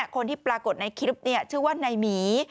คนที่ปรากฏในคลิปชื่อว่านายหมี